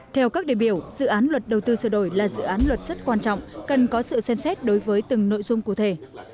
theo các đề biểu dự án luật đầu tư sửa đổi là dự án luật rất quan trọng cần có sự xem xét đối với từng nội dung cụ thể